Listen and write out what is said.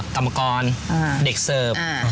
กรรมกรเด็กเสิร์ฟ